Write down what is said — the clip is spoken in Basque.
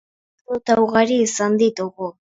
Anekdota ugari izan ditugu.